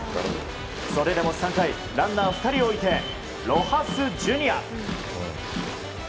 それでも３回ランナー２人置いてロハス・ジュニア。